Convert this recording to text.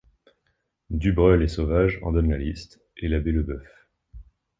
Du Breul et Sauval en donnent la liste, et l’abbé Lebeuf.